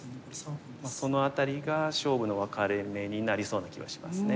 その辺りが勝負の分かれ目になりそうな気はしますね。